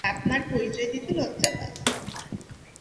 বাপ-মার পরিচয় দিতে লজ্জা পায়।